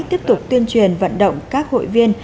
tiếp tục tuyên truyền vận động các hội viên